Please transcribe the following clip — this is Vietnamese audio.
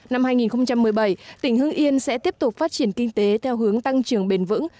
năm hai nghìn một mươi bảy tỉnh hưng yên sẽ tiếp tục phát triển kinh tế theo hướng tăng trưởng bền vững